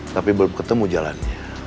tapi belum ketemu jalannya